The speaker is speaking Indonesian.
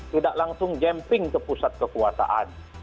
tidak langsung jemping ke pusat kekuasaan